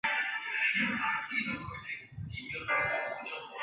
它主要被使用来举办足球和田径赛事。